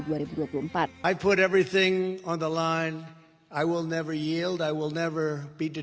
saya tidak akan berpengaruh saya tidak akan berhenti berkampanye